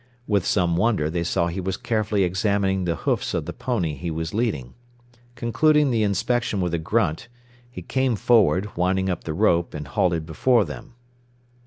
With some wonder, they saw he was carefully examining the hoofs of the pony he was leading. Concluding the inspection with a grunt, he came forward, winding up the rope, and halted before them.